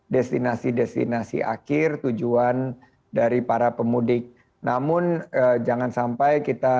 destinasi destinasi akhir tujuan dari para pemudik namun jangan sampai kita